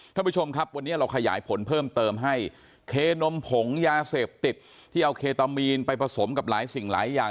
ท่านผู้ชมครับวันนี้เราขยายผลเพิ่มเติมให้เคนมผงยาเสพติดที่เอาเคตามีนไปผสมกับหลายสิ่งหลายอย่าง